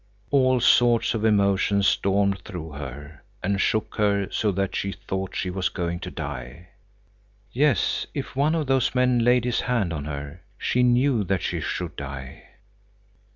All sorts of emotions stormed through her, and shook her so that she thought she was going to die. Yes, if one of those men laid his hand on her, she knew that she should die.